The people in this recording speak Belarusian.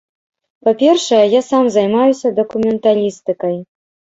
Па-першае, я сам займаюся дакументалістыкай.